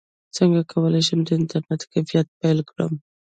څنګه کولی شم د انټرنیټ کیفې پیل کړم